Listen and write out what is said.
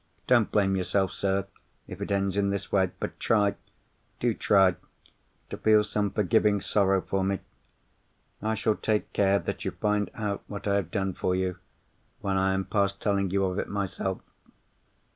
Don't blame yourself, sir, if it ends in this way. But try—do try—to feel some forgiving sorrow for me! I shall take care that you find out what I have done for you, when I am past telling you of it myself.